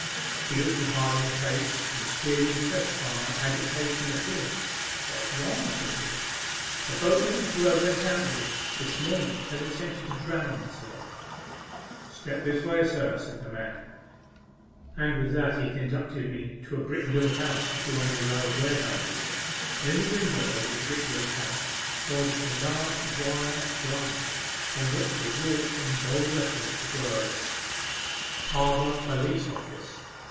He looked me hard in the face, and was clearly impressed by my agitation and ap pearance. " What's wrong ?" said he. u A boatman whom I went out with this morning has attempted to drown me," said I. " Step this way, sir," said the man ; and with that he conducted me to a brick built house adjoining a row of warehouses, and in the window of this brick built house was a large wire blind, on which was wrought in golden letters the words, " Harbour Police A MEMORABLE SWIM. 93 Office."